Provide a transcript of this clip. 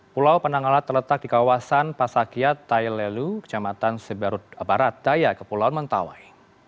pulau panangalat terletak di kawasan pasakya tayelelu kecamatan seberut barat dayak pulau mentawai